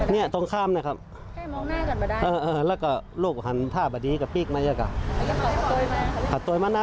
เนี่ยตรงข้ามนะครับ